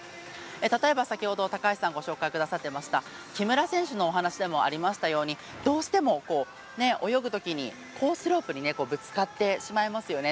例えば、先ほど高橋さんがご紹介くださっていた木村選手のお話でもありましたようにどうしても、泳ぐときにコースロープにぶつかってしまいますよね。